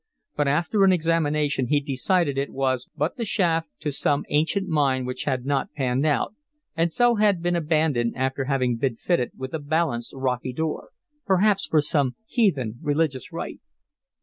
But, after an examination, he decided it was but the shaft to some ancient mine which had not panned out, and so had been abandoned after having been fitted with a balanced rocky door, perhaps for some heathen religious rite.